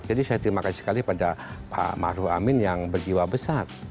jadi saya terima kasih sekali pada pak maruf amin yang berjiwa besar